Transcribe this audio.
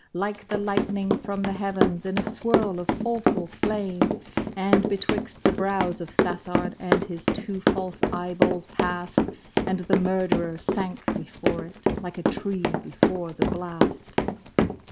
Like the lightning from the heavens in a swirl of awful flame, And betwixt the brows of Sassard and his two false eyeballs passed. And the murderer sank before it like a tree before the blast.